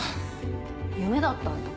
夢だったんだ。